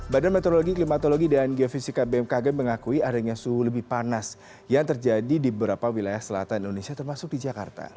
badan meteorologi klimatologi dan geofisika bmkg mengakui adanya suhu lebih panas yang terjadi di beberapa wilayah selatan indonesia termasuk di jakarta